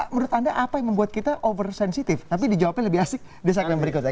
menurut anda apa yang membuat kita over sensitif tapi di jawab lebih asik di saat yang berikutnya